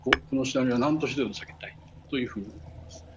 このシナリオは、なんとしてでも避けたいというふうになります。